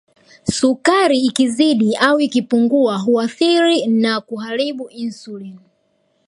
Sukari ikizidi au ikipungua huathiri na kuharibu Insulini